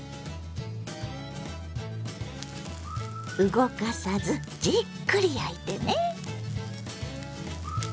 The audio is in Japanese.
動かさずじっくり焼いてね。